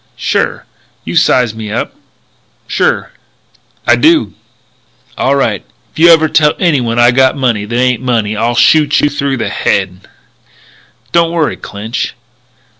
"Sure." "You size me up?" "I do." "All right. If you ever tell anyone I got money that ain't money I'll shoot you through the head." "Don't worry, Clinch."